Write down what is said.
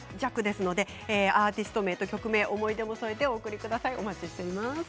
アーティスト名と曲名思い出も添えてお送りください。